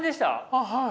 あっはい。